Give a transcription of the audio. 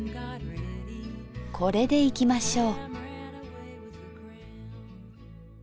これでいきましょう。